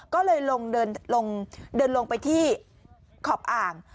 ก็เลยลงเดินลงไปที่ขอบอ่าง